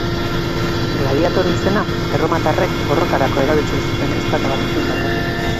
Gladiatore izena, erromatarrek borrokarako erabiltzen zuten ezpata batetik dator.